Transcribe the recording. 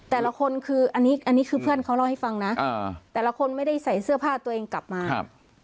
แต่ละคนคืออันนี้อันนี้คือเพื่อนเขาเล่าให้ฟังนะอ่าแต่ละคนไม่ได้ใส่เสื้อผ้าตัวเองกลับมาครับ